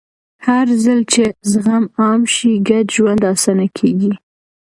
هرځل چې زغم عام شي، ګډ ژوند اسانه کېږي.